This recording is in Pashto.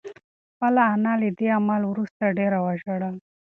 خپله انا له دې عمل وروسته ډېره وژړل.